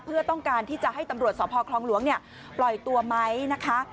เพื่อต้องการที่จะให้ตำรวจสพคลองหลวงปล่อยตัวไหมนะคะ